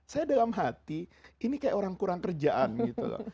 saya dalam hati ini kayak orang kurang kerjaan gitu loh